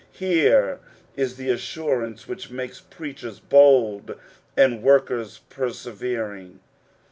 Here is the assurance which makes preachers bold and workers persevering.